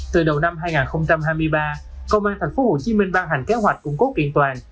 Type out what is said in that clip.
từ đầu năm hai nghìn hai mươi ba công an thành phố hồ chí minh ban hành kế hoạch củng cố kiện toàn